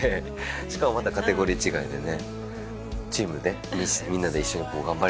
しかもまたカテゴリ違いでね。